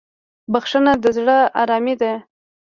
بخښنه د زړه ارامي ده.